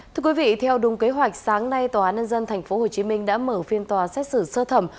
thưa quý vị theo đúng kế hoạch sáng nay tòa án nhân dân tp hcm đã mở phiên tòa xét xử sơ thẩm